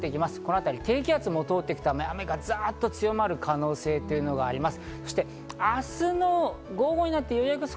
この辺り低気圧も通っていくため、雨がザッと強くなる可能性というのがあります。